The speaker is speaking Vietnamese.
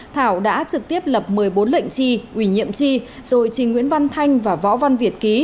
thảo đã trực tiếp lập một mươi bốn lệnh chi ủy nhiệm tri rồi trình nguyễn văn thanh và võ văn việt ký